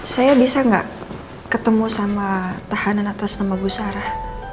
saya bisa gak ketemu sama tahanan atau sama bu sarah